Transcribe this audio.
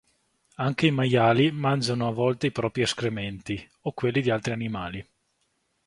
Anche i maiali mangiano a volte i propri escrementi, o quelli di altri animali.